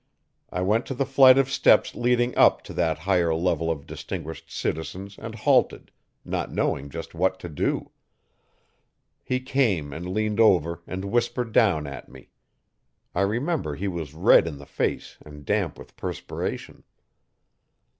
I went to the flight of steps leading up to that higher level of distinguished citizens and halted, not knowing just what to do. He came and leaned over and whispered down at me. I remember he was red in the face and damp with perspiration.